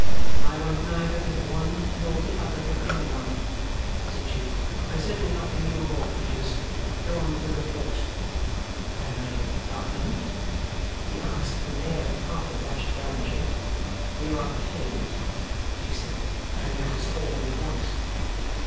'I want neither the one nor the other from any one,' said she, 'and certainly not from you of all creatures. Go on with your report.' 'Am I pardoned?' he asked, with an air of half abashed gallantry. 'You are paid,' she said, 'and that is all you want.